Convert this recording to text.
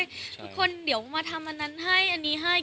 ทุกคนเดี๋ยวมาทำอันนั้นให้อันนี้ให้